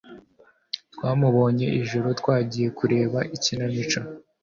twamubonye ijoro twagiye kureba ikinamico